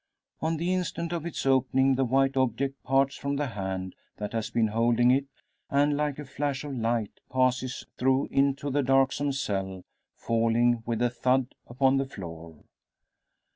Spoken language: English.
On the instant of its opening the white object parts from the hand that has been holding it, and like a flash of light passes through into the darksome cell, falling with a thud upon the floor.